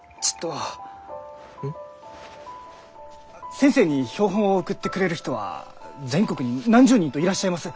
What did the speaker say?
先生に標本を送ってくれる人は全国に何十人といらっしゃいます。